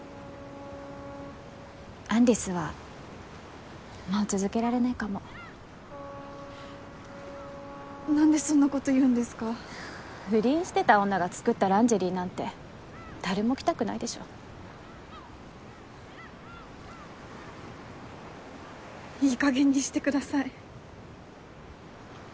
アン・リスはもう続けられないかも何でそんなこと言うんですか不倫してた女が作ったランジェリーなんて誰も着たくないでしょいい加減にしてください